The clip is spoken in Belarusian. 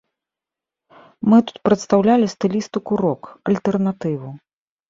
Мы тут прадстаўлялі стылістыку рок, альтэрнатыву.